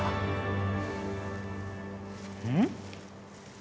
うん？